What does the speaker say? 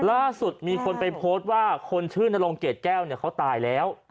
ล่าสุดมีคนไปโพสต์ว่าคนชื่อนรงเกรดแก้วเขาตายแล้ว